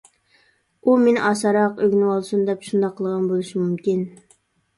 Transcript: ئۇ مېنى ئاسانراق ئۆگىنىۋالسۇن دەپ شۇنداق قىلغان بولۇشى مۇمكىن.